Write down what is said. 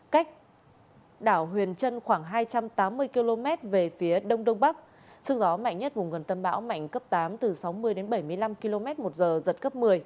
cách đảo huyền trân khoảng hai trăm tám mươi km về phía đông đông bắc sức gió mạnh nhất vùng gần tâm bão mạnh cấp tám từ sáu mươi đến bảy mươi năm km một giờ giật cấp một mươi